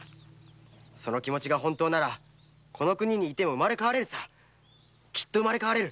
その気持ちが本当ならこの国にいても生まれ変われるさきっとできる。